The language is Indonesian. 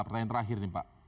pertanyaan terakhir nih pak